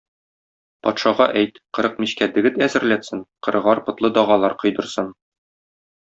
Патшага әйт, кырык мичкә дегет әзерләтсен, кырыгар потлы дагалар койдырсын.